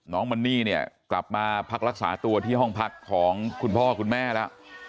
น้องมันนี่เนี่ยกลับมาพักรักษาตัวที่ห้องพักของคุณพ่อคุณแม่แล้ว